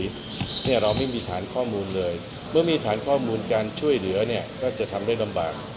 เนี่ยเราไม่มีฐานข้อมูลเลยเมื่อมีฐานข้อมูลการช่วยเหลือเนี่ยก็จะทำได้ลำบาก